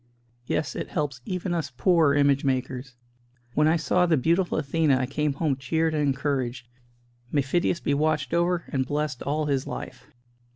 Yes, it helps even us poor image makers. When I saw the beautiful Athena I came home cheered and encouraged. May Phidias be watched over and blessed all his life!"